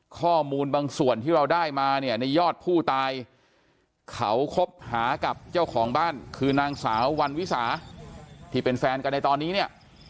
ข้อมูลบางส่วนที่เราได้มาเนี่ยในยอดผู้ตายเขาคบหากับเจ้าของบ้านคือนางสาววันวิสาที่เป็นแฟนกันในตอนนี้เนี่ย